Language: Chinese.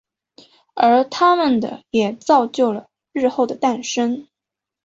而他们的也造就了日后的诞生。